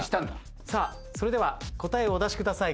さあそれでは答えをお出しください。